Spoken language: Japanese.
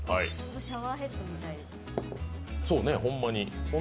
シャワーヘッドみたい。